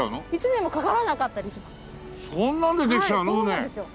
そうなんですよ。